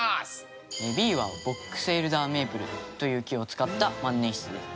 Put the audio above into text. Ｂはボックスエルダーメイプルという木を使った万年筆です。